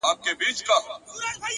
عاجزي د شخصیت تاج دی.!